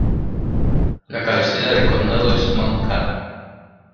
La cabecera del condado es Mount Carmel.